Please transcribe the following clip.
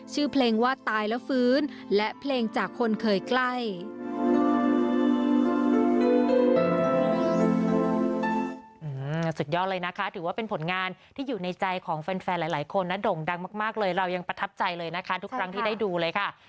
ชื่อเพลงว่าตายแล้วฟื้นและเพลงจากคนเคยใกล้